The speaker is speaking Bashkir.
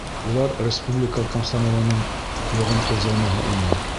Улар республика комсомолының йоғонто зонаһы ине.